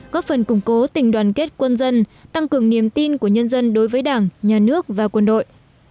góp phần củng cố tình đoàn kết quân dân tăng cường niềm tin của nhân dân đối với đảng nhà nước và quân đội